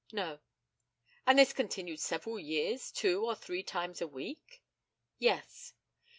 No. And this continued several years two or three times a week? Yes.